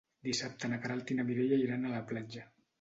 Dissabte na Queralt i na Mireia iran a la platja.